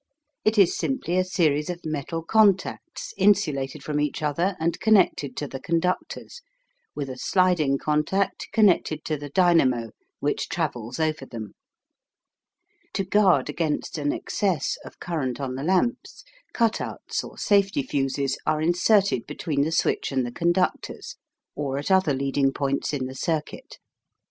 It is simply a series of metal contacts insulated from each other and connected to the conductors, with a sliding contact connected to the dynamo which travels over them. To guard against an excess of current on the lamps, "cut outs," or safety fuses, are inserted between the switch and the conductors, or at other leading points in the circuit.